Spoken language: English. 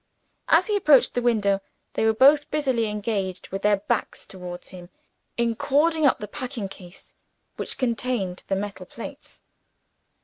As he approached the window, they were both busily engaged, with their backs towards him, in cording up the packing case which contained the metal plates.